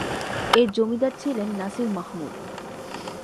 এর জমিদার ছিলেন নাসির মাহমুদ।